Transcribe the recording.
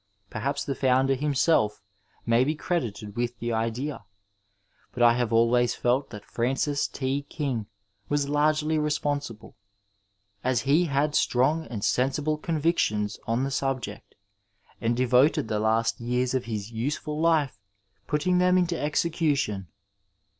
Perhaps the founder him self may be credited with the idea, but I have always felt that Francis T. King was largely responsible, as he had strong and sensible convictions on the subject, and devoted the last years of his usefullife putting them into execution.